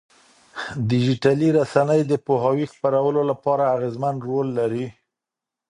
ډيجيټلي رسنۍ د پوهاوي خپرولو لپاره اغېزمن رول لري.